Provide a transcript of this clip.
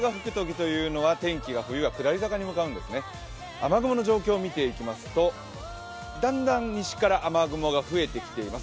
雨雲の状況を見ていきますと、だんだん西から雨雲が増えています。